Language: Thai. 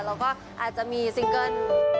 เราก็อาจจะมีซิงเกิ้ล